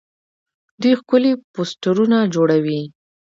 دوی ښکلي پوسټرونه جوړوي.